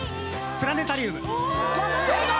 「プラネタリウム」正解